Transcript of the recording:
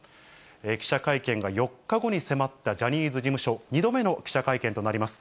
記者会見が４日後に迫ったジャニーズ事務所、２度目の記者会見となります。